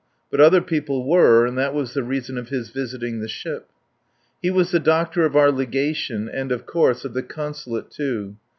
But other people were, and that was the reason of his visiting the ship. He was the doctor of our Legation and, of course, of the Consulate, too.